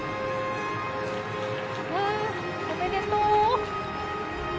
おめでとう！